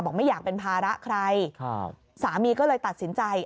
ไม่อยากเป็นภาระใครครับสามีก็เลยตัดสินใจ